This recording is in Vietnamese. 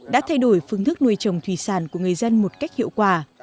đã thay đổi phương thức nuôi trồng thủy sản của người dân một cách hiệu quả